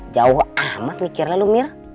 jauh amat mikirnya lo mir